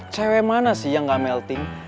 cewek mana sih yang gak melting